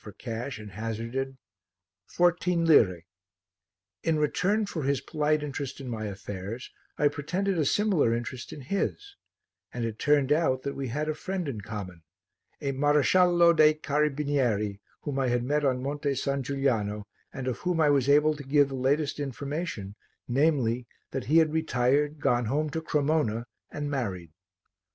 for cash and hazarded "Fourteen lire." In return for his polite interest in my affairs I pretended a similar interest in his, and it turned out that we had a friend in common a maresciallo dei carabinieri whom I had met on Monte San Giuliano and of whom I was able to give the latest information namely, that he had retired, gone home to Cremona and married.